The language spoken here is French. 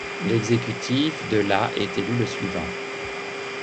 L'Exécutif de la est élu le suivant.